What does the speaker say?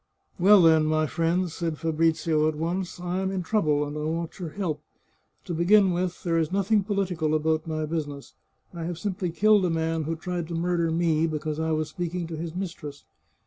" Well, then, my friends," said Fabrizio at once, " I am in trouble, and I want your help. To begin with, there is nothing political about my business. I have simply killed a man who tried to murder me because I was speaking to his mistress."